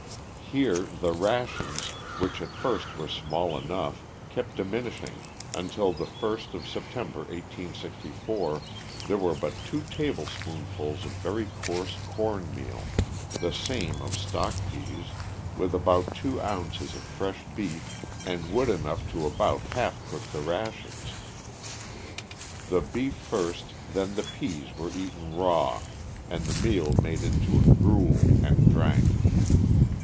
Here the rations, which at first were small enough, kept diminishing, until the 1st of September, 1864, there were but two tablespoonsful of very coarse corn meal, the same of stock peas, with about two ounces of fresh beef, and wood enough to about half cook the rations. The beef first, then the peas were eaten raw and the meal made into a gruel and drank.